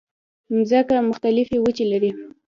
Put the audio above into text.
مځکه مختلفې وچې لري.